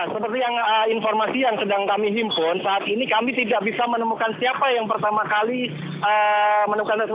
seperti informasi yang sedang kami himpun saat ini kami tidak bisa menemukan siapa yang pertama kali menemukan tersebut